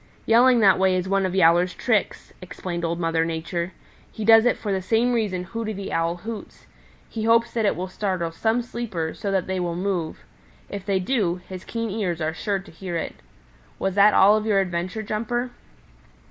"Yelling that way is one of Yowler's tricks," explained Old Mother Nature. "He does it for the same reason Hooty the Owl hoots. He hopes that it will startle some sleeper so that they will move. If they do, his keen ears are sure to hear it. Was that all of your adventure, Jumper?"